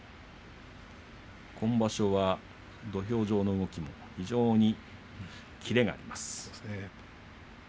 今場所は土俵上の動きも非常にキレがあります。